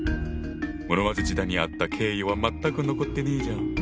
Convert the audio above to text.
室町時代にあった敬意は全く残ってねえじゃん！